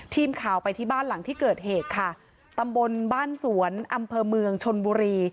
ทีมข่าวไปที่บ้านหลังที่เกิดเหตุค่ะตำบลบ้านสวนอำเภอเมืองชนบุรี